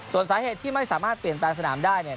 ส่วนสาเหตุที่ไม่สามารถเปลี่ยนแปลงสนามได้เนี่ย